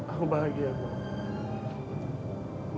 aku bahagia mba